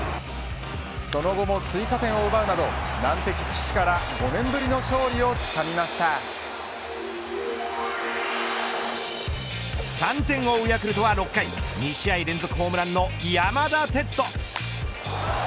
その後も追加点を奪うなど難敵、岸から３点を追うヤクルトは６回２試合連続ホームランの山田哲人。